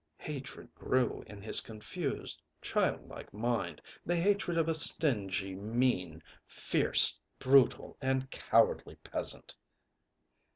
Hatred grew in his confused, childlike mind, the hatred of a stingy, mean, fierce, brutal and cowardly peasant.